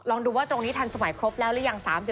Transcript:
ดูว่าตรงนี้ทันสมัยครบแล้วหรือยัง